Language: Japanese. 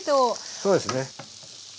そうですね。